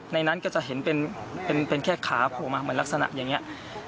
ในนั้นก็จะเห็นเป็นแค่ขาโผล่มาเหมือนลักษณะอย่างนี้